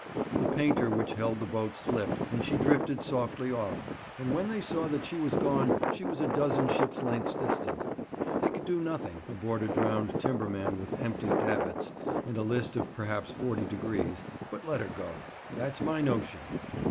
The painter which held the boat slipped, and she drifted softly off, and when they saw that she was gone she was a dozen ships' lengths distant. They could do nothing, aboard a drowned timberman with empty davits, and a list of perhaps forty degrees, but let her go. That's my notion.